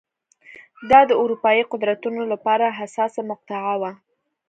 دا د اروپايي قدرتونو لپاره حساسه مقطعه وه.